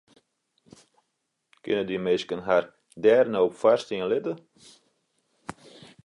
Kinne dy minsken har dêr no op foarstean litte?